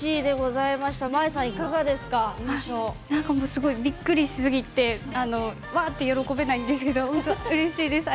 すごい、びっくりしすぎてわーって喜べないんですけど本当にうれしいです。